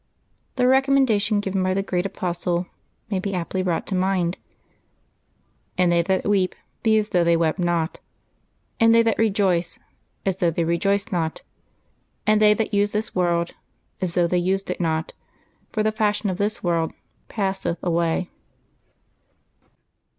— The recommendation given by the great Apostle may be aptly brought to mind :" And they that weep be as though they wept not; and they that rejoice, as though they rejoiced not ; and they that use this world, as though they used it not; for the fashion of this world passeth away."